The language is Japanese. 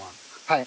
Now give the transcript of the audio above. はい。